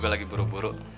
bawaxim ke grup